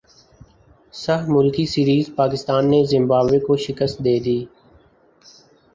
سہ ملکی سیریزپاکستان نے زمبابوے کو شکست دیدی